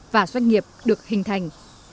và doanh nghiệp được hình thành